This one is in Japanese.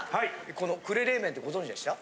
この呉冷麺ってご存じでした？